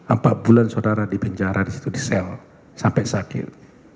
empat bulan saudara di penjara di situ di sel sampai sakit